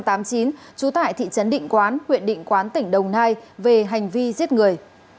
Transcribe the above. trú tại thị trấn định quán huyện định quán tỉnh đồng nai về hành vi giết người